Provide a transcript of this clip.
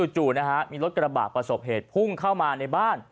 จู่นะฮะมีรถกระบะประสบเหตุพุ่งเข้ามาในบ้าน